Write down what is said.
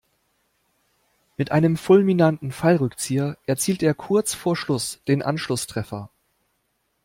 Mit einem fulminanten Fallrückzieher erzielt er kurz vor Schluss den Anschlusstreffer.